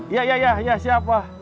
iya iya siap mbah